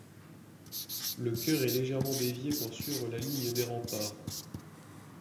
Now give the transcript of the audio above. Le chœur est légèrement dévié pour suivre la ligne des remparts.